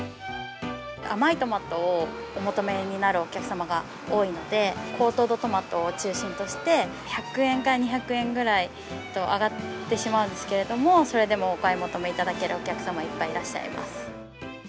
甘いトマトをお求めになるお客様が多いので、高糖度トマトを中心として、１００円から２００円ぐらい上がってしまうんですけれども、それでもお買い求めいただけるお客様、いっぱいいらっしゃいます。